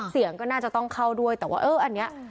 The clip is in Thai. เสียงก็น่าจะต้องเข้าด้วยแต่ว่าเอออันนี้